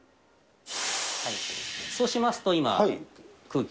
そうしますと、今、空気。